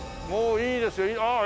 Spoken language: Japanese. いいですよ。